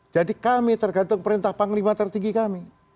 jadi kami tergantung perintah panglima tertinggi kami